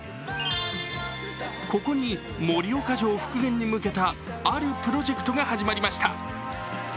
ここに盛岡城復元に向けたあるプロジェクトが始まりました。